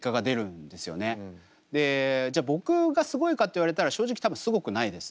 でじゃ僕がすごいかって言われたら正直多分すごくないです。